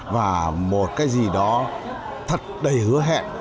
và một cái gì đó thật đầy hứa hẹn